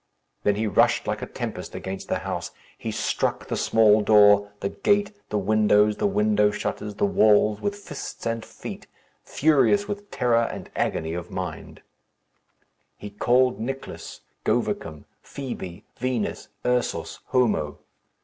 Then he rushed like a tempest against the house. He struck the small door, the gate, the windows, the window shutters, the walls, with fists and feet, furious with terror and agony of mind. He called Nicless, Govicum, Fibi, Vinos, Ursus, Homo.